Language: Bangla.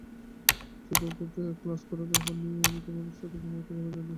চিকাগোতে ক্লাস করার ব্যাপার নিয়ে তোমার মাথা ঘামাবার প্রয়োজন নেই।